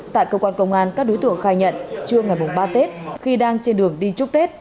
tại cơ quan công an các đối tượng khai nhận trưa ngày ba tết khi đang trên đường đi chúc tết